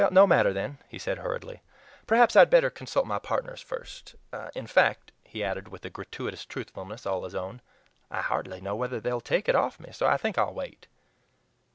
"No matter, then," he said hurriedly; "perhaps I had better consult my partners first; in fact," he added, with a gratuitous truthfulness all his own, "I hardly know whether they will take it of me, so I think I'll wait."